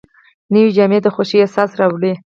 نوې جامې د خوښۍ احساس راولي